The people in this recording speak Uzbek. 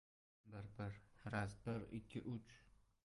• Sutga qarasang, qora dog‘ topasan.